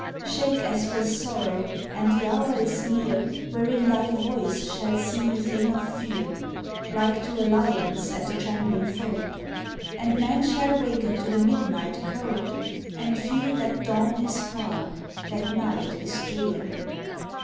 Shake as with sorrow, and the hour is near Wherein thy voice shall seem a thing of fear, Like to a lion's at the trembling fold; And men shall waken to the midnight cold, And feel that dawn is far, that night is drear.